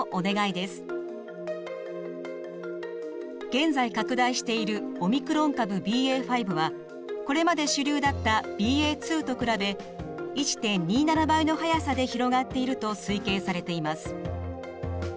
現在拡大しているオミクロン株ＢＡ．５はこれまで主流だったＢＡ．２と比べ１．２７倍の速さで広がっていると推計されています。